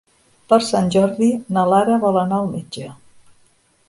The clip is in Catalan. Per Sant Jordi na Lara vol anar al metge.